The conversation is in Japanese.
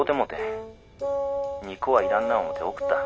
２個は要らんな思て送った。